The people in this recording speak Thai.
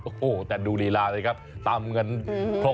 โอ้โหแต่ดูลีลาเลยครับตำกันครกแทบแตกเลยครับ